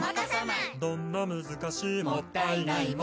「どんな難しいもったいないも」